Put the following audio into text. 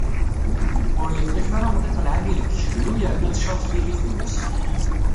Ur yeṭṭif ara amḍiq lεali deg useklu yerna tcaḍ tili fell-as.